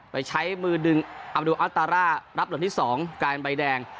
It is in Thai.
ไปใช้มือดึงอัมดุอัลตาร่ารับเหลือที่สองการใบแดง